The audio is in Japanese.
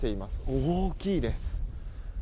大きいです。